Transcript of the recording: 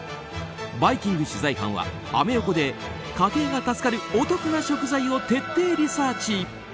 「バイキング」取材班はアメ横で家計が助かるお得な食材を徹底リサーチ。